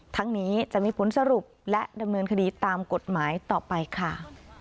ทั้งนี้จะมีผลสรุปและดำเนินคดีตามกฎหมายต่อไปค่ะ